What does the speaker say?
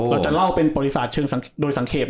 เราจะเล่าเป็นปริศาจโดยสังเขต